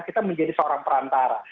kita menjadi seorang perantara